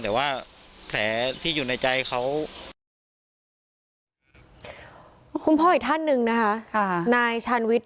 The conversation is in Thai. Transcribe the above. แต่ว่าแผลที่อยู่ในใจเขาคุณพ่ออีกท่านหนึ่งนะคะค่ะนายชันวิทย์